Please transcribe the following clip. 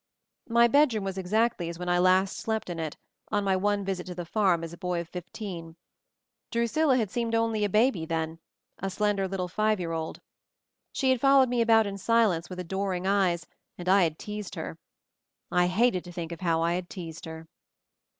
My bedroom was exactly as when I last slept in it, on my one visit to the farm as a boy of fifteen. Drusilla had seemed only a baby then — a slender little five year old. She had followed me about in silence, with adoring eyes, and I had teased her !— I hated to think of how I had teased her.